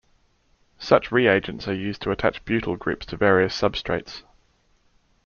Such reagents are used to attach butyl groups to various substrates.